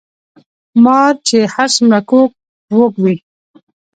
ـ مار چې هر څومره کوږ وږ وي